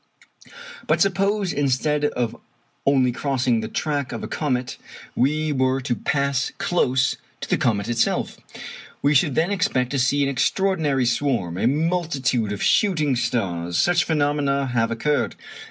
But suppose instead of only crossing the track of a comet we were to pass close to the comet itself, we should then expect to see an extraordinary swarm a multitude of shooting stars. Such phenomena have occurred.